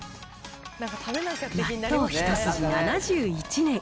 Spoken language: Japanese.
納豆一筋７１年。